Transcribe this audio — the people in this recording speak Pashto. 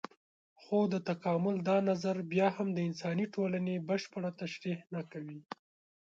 خو د تکامل دا نظر بيا هم د انساني ټولنې بشپړه تشرېح نه کوي.